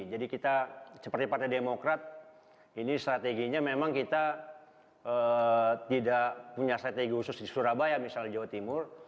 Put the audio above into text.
jadi kita seperti partai demokrat ini strateginya memang kita tidak punya strategi khusus di surabaya misalnya di jawa timur